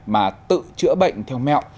mà tự chữa bệnh theo mẹo